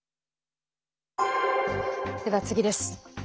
では、次です。